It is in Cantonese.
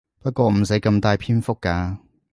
不過唔使咁大篇幅㗎